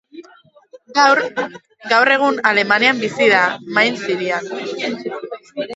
Gaur egun Alemanian bizi da, Mainz hirian.